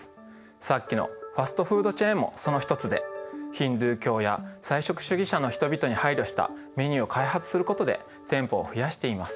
さっきのファストフードチェーンもその一つでヒンドゥー教や菜食主義者の人々に配慮したメニューを開発することで店舗を増やしています。